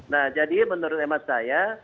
nah jadi menurut emas saya